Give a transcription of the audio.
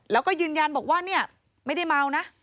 แล้วก็ยืนยันบอกว่าเนี่ยไม่ได้เมานะ